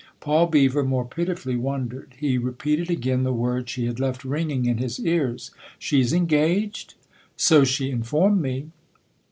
Paul Beever more pitifully wondered ; he re peated again the word she had left ringing in his ears. "She's 'engaged'?" " So she informed me."